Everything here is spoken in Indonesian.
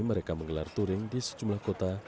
mereka menggelar touring di sejumlah kota